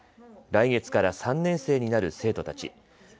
来月から３年生になる生徒たち。